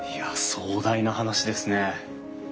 壮大な話ですね。